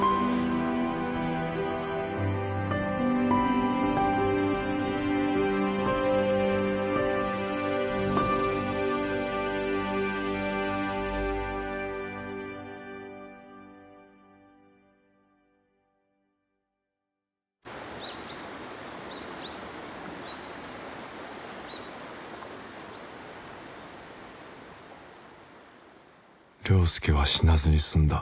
良介は死なずに済んだ